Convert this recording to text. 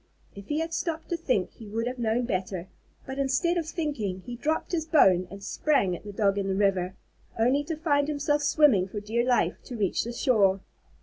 If he had stopped to think he would have known better. But instead of thinking, he dropped his bone and sprang at the Dog in the river, only to find himself swimming for dear life to reach the shore.